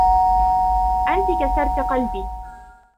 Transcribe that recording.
أنتِ كسرتِ قلبي.